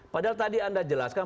padahal tadi anda jelaskan